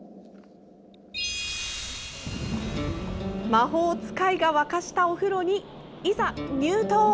魔法使いが沸かしたお風呂に、いざ入湯。